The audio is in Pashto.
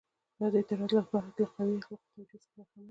دا اعتراض باید له قوي اخلاقي توجیه څخه برخمن وي.